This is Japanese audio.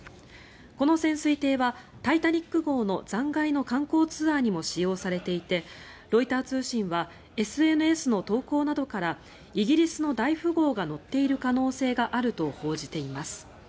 この潜水艇は「タイタニック号」の残骸の観光ツアーにも使用されていてロイター通信はＳＮＳの投稿などからイギリスの大富豪が乗っている可能性があると報じています。